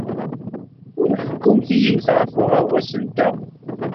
Ur ḥekkumt i yiwen ɣef uɣawas-nteɣ.